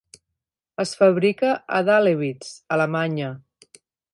Es fabrica a Dahlewitz, Alemanya.